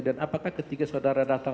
dan apakah ketika saudara datang